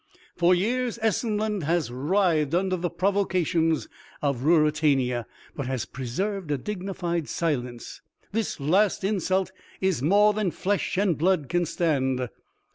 "For years Essenland has writhed under the provocations of Ruritania, but has preserved a dignified silence; this last insult is more than flesh and blood can stand."